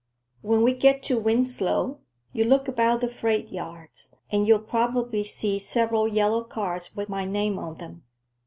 "When we get to Winslow, you look about the freight yards and you'll probably see several yellow cars with my name on them.